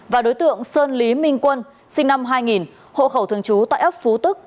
và đối tượng sơn lý minh quân sinh năm hai nghìn hộ khẩu thường trú tại ấp phú tức